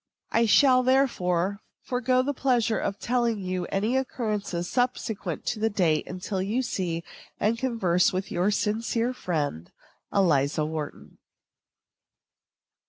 I shall, therefore, forego the pleasure of telling you any occurrences subsequent to this date until you see and converse with your sincere friend, ELIZA WHARTON.